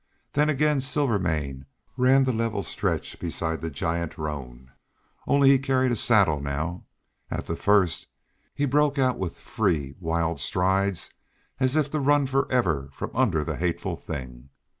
Then again Silvermane ran the level stretch beside the giant roan, only he carried a saddle now. At the first, he broke out with free wild stride as if to run forever from under the hateful thing.